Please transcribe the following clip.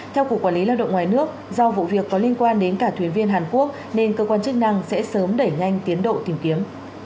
theo cục quản lý lao động ngoài nước do vụ việc có liên quan đến cả thuyền viên hàn quốc nên cơ quan chức năng sẽ sớm đẩy nhanh tiến độ tìm kiếm